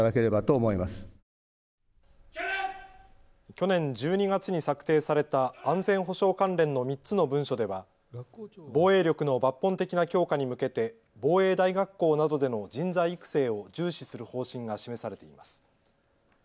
去年１２月に策定された安全保障関連の３つの文書では防衛力の抜本的な強化に向けて防衛大学校などでの人材育成を重視する方針が示されています。